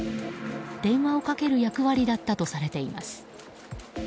電話をかける役割だったとされています。